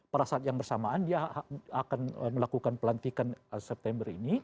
pada saat yang bersamaan dia akan melakukan pelantikan september ini